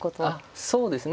そうですね。